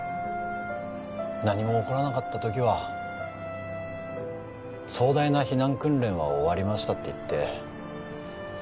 何も起こらなかった時は壮大な避難訓練は終わりましたって言ってみんなで笑って乾杯すればいい